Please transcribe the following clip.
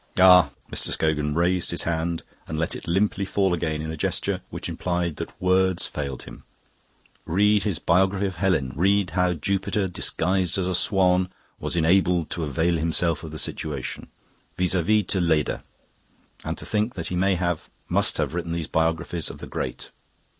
Ah!" Mr. Scogan raised his hand and let it limply fall again in a gesture which implied that words failed him. "Read his biography of Helen; read how Jupiter, disguised as a swan, was 'enabled to avail himself of his situation' vis a vis to Leda. And to think that he may have, must have written these biographies of the Great!